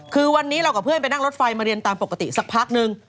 คือวันนี้เรากับเพื่อนไปนั่งรถไฟมาเรียนตามปกติสักพักนึง